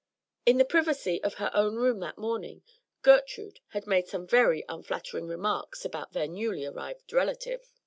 In the privacy of her own room that morning, Gertrude had made some very unflattering remarks about their newly arrived relative.